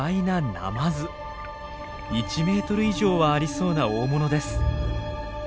１メートル以上はありそうな大物です。